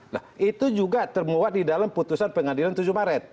nah itu juga termuat di dalam putusan pengadilan tujuh maret